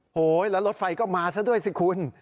โหแล้วรถไฟก็มาซะด้วยสิคุณ